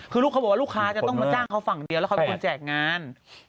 คือลูกเขาบอกว่าลูกค้าจะต้องมาจ้างเขาฝั่งเดียวแล้วเขาเป็นคนแจกงาน